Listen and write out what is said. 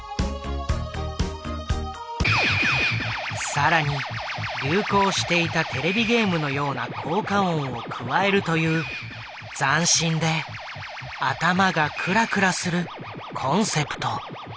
更に流行していたテレビゲームのような効果音を加えるという斬新で頭がクラクラするコンセプト。